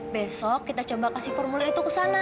besok kita coba kasih formulir itu ke sana